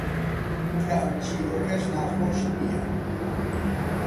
کە ئەم چیرۆکەش ناخۆش نییە: